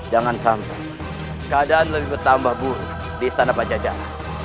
jangan sampai keadaan lebih bertambah buruk di istana pajajaran